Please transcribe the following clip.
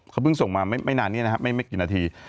เขาเพิ่งส่งมาไม่นานนี้นะครับไม่กี่นาที